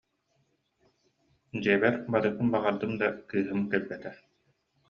Дьиэбэр барыахпын баҕардым да, кыыһым кэлбэтэ